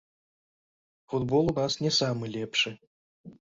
Футбол у нас не самы лепшы.